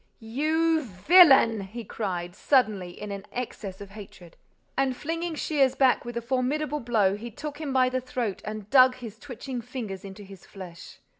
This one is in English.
"You villain!" he cried, suddenly, in an access of hatred. And, flinging Shears back with a formidable blow, he took him by the throat and dug his twitching fingers into his flesh.